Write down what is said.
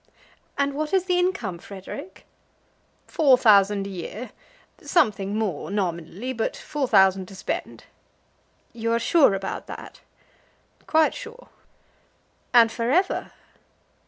"And what is the income, Frederic?" "Four thousand a year. Something more, nominally, but four thousand to spend." "You are sure about that?" "Quite sure." "And for ever?"